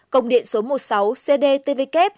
công điện số một mươi sáu cd tvk